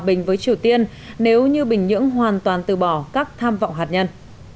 bình với triều tiên nếu như bình nhưỡng hoàn toàn từ bỏ các tham vọng hạt nhân